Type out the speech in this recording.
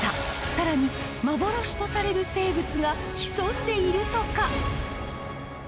更に幻とされる生物が潜んでいるとか。